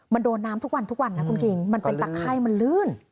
มันโดนน้ำทุกวันนะคุณกิงมันเป็นตักไข้มันลื่น